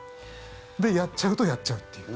で、やっちゃうとやっちゃうっていう。